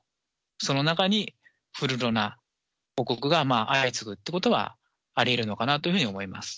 その中にフルロナの報告が相次ぐということはありえるのかなというふうに思います。